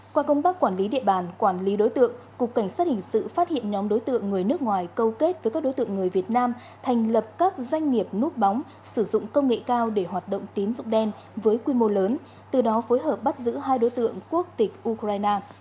qua công tác quản lý địa bàn quản lý đối tượng cục cảnh sát hình sự phát hiện nhóm đối tượng người nước ngoài câu kết với các đối tượng người việt nam thành lập các doanh nghiệp nút bóng sử dụng công nghệ cao để hoạt động tín dụng đen với quy mô lớn từ đó phối hợp bắt giữ hai đối tượng quốc tịch ukraine